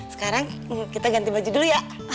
sekarang kita ganti baju dulu ya